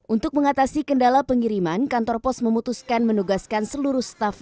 untuk mengatasi kendala pengiriman kantor pos memutuskan menugaskan seluruh staff